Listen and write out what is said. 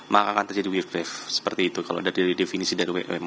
maka akan terjadi heatwave seperti itu kalau dari definisi dari wmo